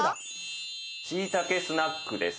しいたけスナックです。